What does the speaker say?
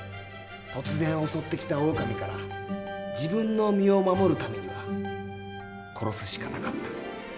突然襲ってきたオオカミから自分の身を守るためには殺すしかなかった。